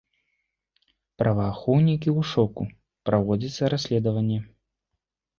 Праваахоўнікі ў шоку, праводзіцца расследаванне.